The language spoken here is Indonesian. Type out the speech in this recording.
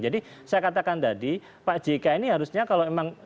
jadi saya katakan tadi pak jk ini harusnya kalau memang